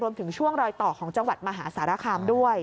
ช่วงรอยต่อของจังหวัดมหาสารคามด้วย